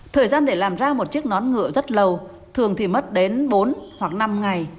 thời gian để làm ra một chiếc nón ngựa rất lâu thường thì mất đến bốn hoặc năm ngày